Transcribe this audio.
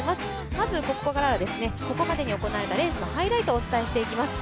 まずここまでに行われたレースのハイライトをお伝えしていきます。